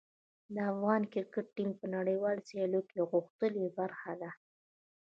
د افغان کرکټ ټیم په نړیوالو سیالیو کې یوه غښتلې برخه ده.